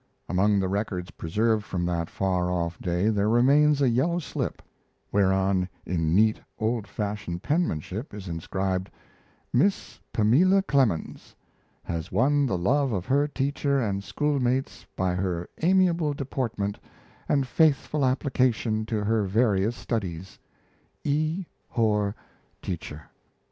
Among the records preserved from that far off day there remains a yellow slip, whereon in neat old fashioned penmanship is inscribed: MISS PAMELA CLEMENS Has won the love of her teacher and schoolmates by her amiable deportment and faithful application to her various studies. E. Horr, Teacher.